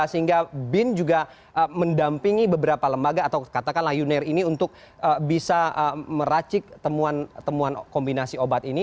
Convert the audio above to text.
sehingga bin juga mendampingi beberapa lembaga atau katakanlah yunir ini untuk bisa meracik temuan temuan kombinasi obat ini